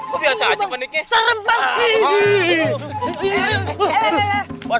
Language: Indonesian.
kok biasa aja paniknya